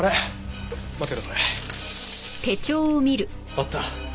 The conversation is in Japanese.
あった！